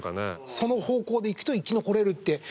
その方向で行くと生き残れるって。